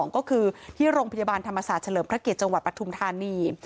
ก็คือที่โรงพยาบาลธรรมศาสตร์เฉลิมพระเกียรติจังหวัดปทุมธานี